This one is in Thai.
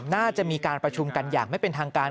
น่าจะมีการประชุมกันอย่างไม่เป็นทางการ